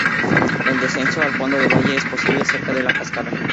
El descenso al fondo del valle es posible cerca de la cascada.